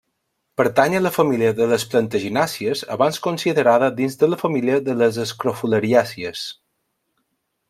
Pertany a la família de les plantaginàcies abans considerada dins la família de les escrofulariàcies.